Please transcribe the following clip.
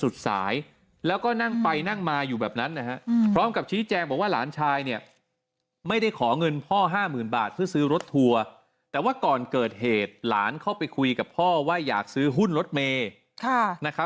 แต่ว่าก่อนเกิดเหตุหลานเข้าไปคุยกับพ่อว่าอยากซื้อหุ้นรถเมล์